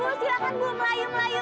bu silakan bu melayu melayu